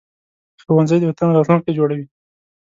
ښوونځی د وطن راتلونکی جوړوي